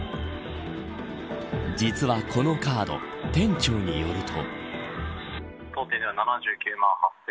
実はこのカード店長によると。